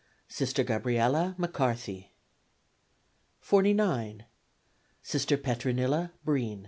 Sister Gabriella McCarthy. 49. Sister Petronilla Breen.